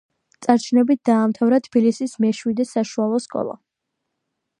წარჩინებით დაამთავრა თბილისის მეშვიდე საშუალო სკოლა.